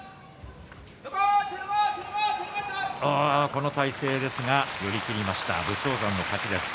この体勢ですが寄り切りました武将山の勝ちです。